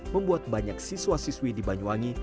membuat banyak siswa siswi di banyuwangi